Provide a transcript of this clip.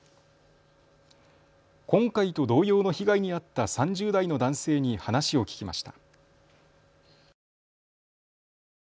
今回と同様の被害に遭った３０代の男性に話を聞きました。